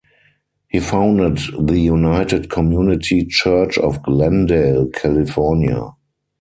He founded the United Community Church of Glendale, California.